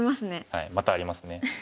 はいまたありますね。